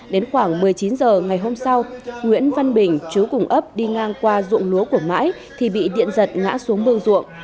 đến khoảng một mươi chín h ngày hôm sau nguyễn văn bình chú cùng ấp đi ngang qua dụng lúa của mãi thì bị điện giật ngã xuống mương ruộng